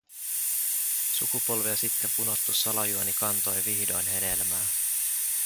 Sukupolvia sitten punottu salajuoni kantoi vihdoin hedelmää.